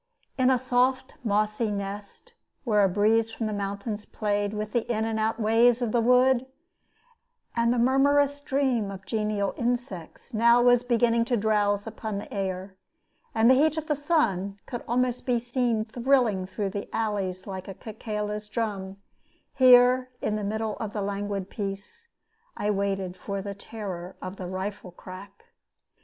In a soft mossy nest, where a breeze from the mountains played with the in and out ways of the wood, and the murmurous dream of genial insects now was beginning to drowse upon the air, and the heat of the sun could almost be seen thrilling through the alleys like a cicale's drum here, in the middle of the languid peace, I waited for the terror of the rifle crack.